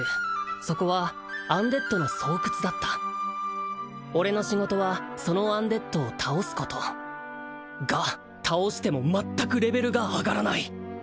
そこはアンデッドの巣窟だった俺の仕事はそのアンデッドを倒すことが倒しても全くレベルが上がらない！